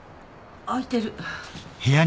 開いてる。